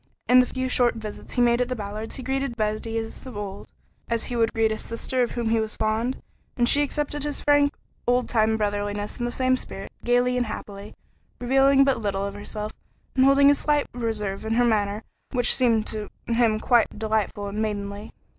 In the few short visits he made at the Ballards' he greeted Betty as of old, as he would greet a little sister of whom he was fond, and she accepted his frank, old time brotherliness in the same spirit, gayly and happily, revealing but little of herself, and holding a slight reserve in her manner which seemed to him quite delightful and maidenly.